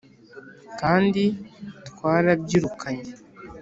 kandi twarabyirukanye,